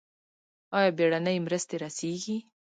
آیا بیړنۍ مرستې رسیږي؟